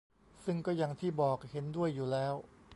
ซึ่งก็อย่างที่บอก เห็นด้วยอยู่แล้ว